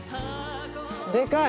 でかい！